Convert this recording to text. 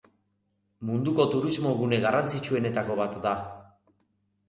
Munduko turismogune garrantzitsuenetako bat da.